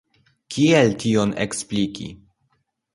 Kiel tion ekspliki?